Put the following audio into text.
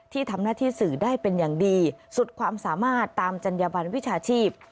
ที่ทำหน้าที่สื่อได้เป็นอย่างดีสุดความสามารถตามจัญญบันวิชาชีพ